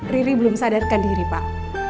riri belum sadarkan diri pak